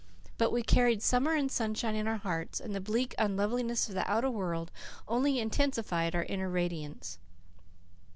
But we carried summer and sunshine in our hearts, and the bleak unloveliness of the outer world only intensified our inner radiance.